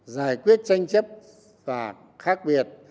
giải quyết tranh chấp và khác biệt